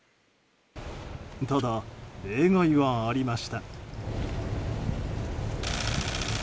ただ、例外はありました。